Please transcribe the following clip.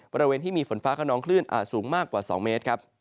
บริเวณที่มีฝนฟ้าเค้านอนคลื่นอดสูงมากกว่า๒เมตร